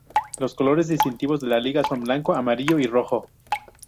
Los colores distintivos de la Liga son blanco, amarillo y rojo.